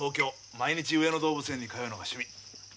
毎日上野動物園に通うのが趣味。